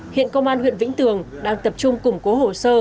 hiện công an huyện vĩnh tường đang tập trung củng cố hồ sơ